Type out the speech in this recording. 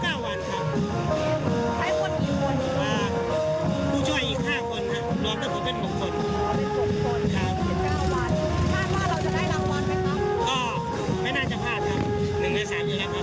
ก็ไม่น่าจะพลาดค่ะ๑ใน๓อยู่แล้วค่ะ